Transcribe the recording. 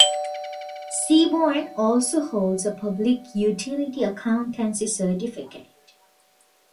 Seaborn also holds a Public Utility Accountancy Certificate.